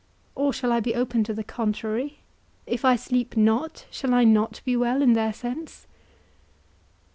or shall I be open to the contrary? If I sleep not, shall I not be well in their sense?